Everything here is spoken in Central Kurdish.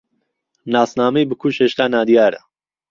ناسنامەی بکوژ هێشتا نادیارە.